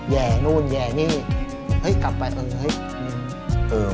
แหงนู้นแหงนี่เฮ้ยกลับไปเฮ้ย